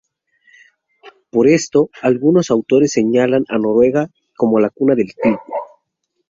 Por esto, algunos autores señalan a Noruega como la cuna del "clip".